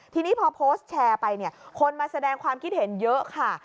ทีนี้พอโพสต์แชร์ไปเนี่ยคนมาแสดงความคิดเห็นเยอะค่ะ